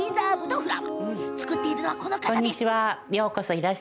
作っているのは、こちらの方です。